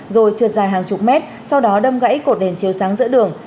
rồi trượt dài hàng chục mét sau đó đâm gãy cột đèn chiếu sáng giữa đường